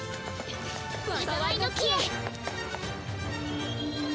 災いの樹へ！